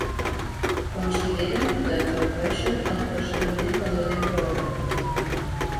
Consideren que entorpeixen el procediment de les euroordres.